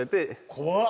怖っ！